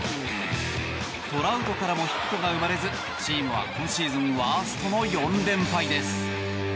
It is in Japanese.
トラウトからもヒットが生まれずチームは今シーズンワーストの４連敗です。